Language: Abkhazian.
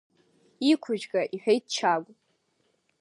Иқәыжәга, — иҳәеит Чагә.